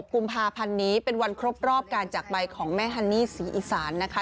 กุมภาพันธ์นี้เป็นวันครบรอบการจากไปของแม่ฮันนี่ศรีอีสานนะคะ